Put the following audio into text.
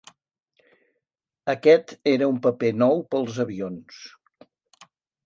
Aquest era un paper nou pels avions.